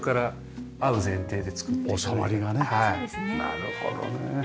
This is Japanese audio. なるほどね。